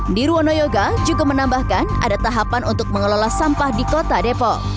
nirwono yoga juga menambahkan ada tahapan untuk mengelola sampah di kota depok